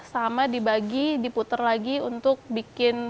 sama dibagi diputer lagi untuk bikin